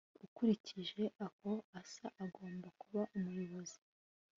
ukurikije uko asa, agomba kuba umuyobozi